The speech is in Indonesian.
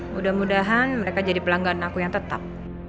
mudah mudahan mereka jadi pelanggan aku yang tetap